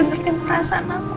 makasih udah ngerti perasaan aku